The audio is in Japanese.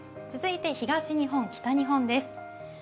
続いて東日本、北日本です。